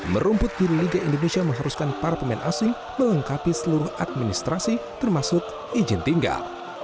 merumput di liga indonesia mengharuskan para pemain asing melengkapi seluruh administrasi termasuk izin tinggal